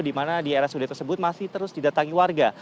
di mana di rsud tersebut masih terus didatangi warga